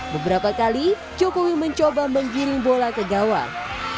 beberapa kali jokowi mencoba menggiring bola ke gawang